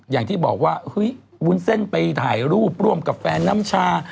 อย่างที่บอกว่าเฮ้ยวุ้นเส้นไปถ่ายรูปร่วมกับแฟนน้ำชา